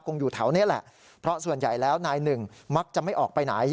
อยู่แถวนี้แหละเพราะส่วนใหญ่แล้วนายหนึ่งมักจะไม่ออกไปไหน